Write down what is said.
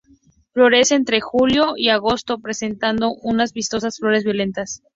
Florece entre julio y agosto, presentando unas vistosas flores violetas.